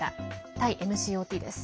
タイＭＣＯＴです。